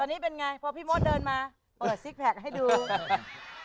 ตอนนี้เป็นไงพอพี่มดเดินมาเปิดซิกแพคให้ดูเออ